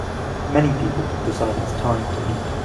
Many people decide it 's time to eat.